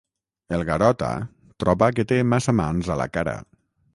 El Garota troba que té massa mans a la cara.